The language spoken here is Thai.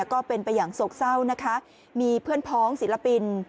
ก็เป็นไปอย่างโศกเศร้านะคะมีเพื่อนพ้องศิลปิน